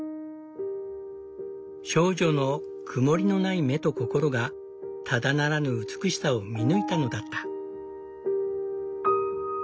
少女の曇りのない目と心がただならぬ美しさを見抜いたのだった。